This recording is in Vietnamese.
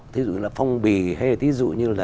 thí dụ như là phong bì hay là thí dụ như là